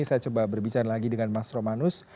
saya coba berbicara lagi dengan mas romanus